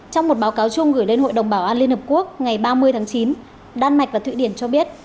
trong một báo cáo chung gửi lên hội đồng bảo an liên hợp quốc ngày ba mươi tháng chín đan mạch và thụy điển cho biết